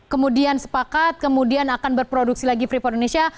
kemudian sepakat kemudian akan berproduksi lagi free for indonesia